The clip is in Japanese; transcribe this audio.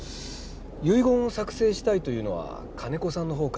遺言を作成したいというのは金子さんのほうから？